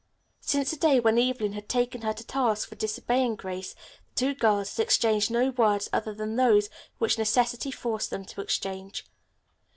Since the day when Evelyn had taken her to task for disobeying Grace the two girls had exchanged no words other than those which necessity forced them to exchange.